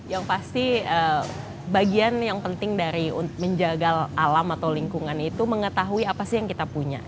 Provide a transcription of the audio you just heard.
yang pasti bagian yang penting dari menjaga alam atau lingkungan itu mengetahui apa sih yang kita punya